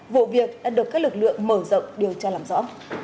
vụ việc đã được các lực lượng mở rộng điều tra làm rõ